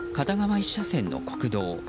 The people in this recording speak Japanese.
１車線の国道。